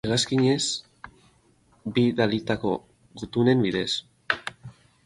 Hegazkinez bi dalitako gutunen bidez.